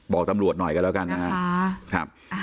บอกตำรวจหน่อยกันแล้วกันนะครับ